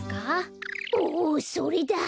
おそれだ！